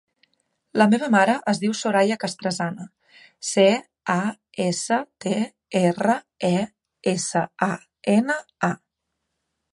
La meva mare es diu Soraya Castresana: ce, a, essa, te, erra, e, essa, a, ena, a.